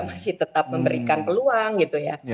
masih tetap memberikan peluang gitu ya